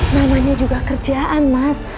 namanya juga kerjaan mas